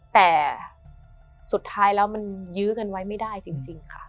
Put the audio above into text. แต่สุดท้ายแล้วมันยื้อกันไว้ไม่ได้จริงค่ะ